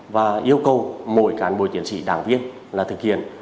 và yêu cầu mỗi cán bộ chiến sĩ đảng viên là thực hiện